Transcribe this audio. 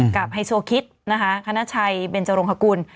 กับไฮโชคิดนะคะคณชัยเบนเจรงฮกุล